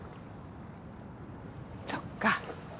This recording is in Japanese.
そっか。